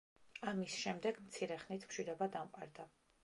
ამის შემდეგ მცირე ხნით მშვიდობა დამყარდა.